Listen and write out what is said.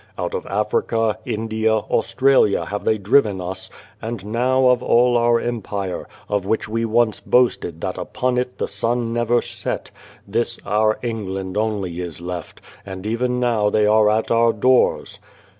Out of Africa, India, Australia have they driven us, and now of all our empire, of which we once boasted that upon it the sun never set, this our England only is left, and even now they are at our doors.